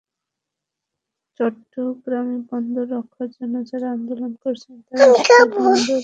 চট্টগ্রাম বন্দর রক্ষার জন্য যাঁরা আন্দোলন করছেন, তাঁরা আসলে বন্দর অরক্ষার আন্দোলন করছেন।